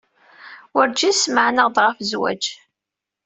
Wurǧin smeɛneɣ-d ɣef zzwaj.